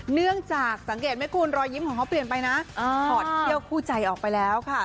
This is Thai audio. เนื่องจากสังเกตไหมคุณรอยยิ้มของเขาเปลี่ยนไปนะถอดเขี้ยวคู่ใจออกไปแล้วค่ะ